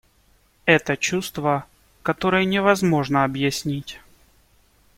Это чувство, которое невозможно объяснить.